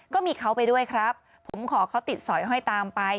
ก็มีเขาไปด้วยครับผมขอเขาติดสอยห้อยตามไป